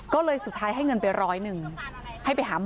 ก็เลยสุดท้ายให้เงินไปร้อยหนึ่งให้ไปหาหมอ